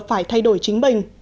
phải thay đổi chính mình